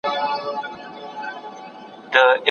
حنفي فقهه د حقوقو ساتنه کوي.